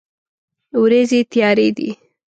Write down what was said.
ورېځې تیارې دي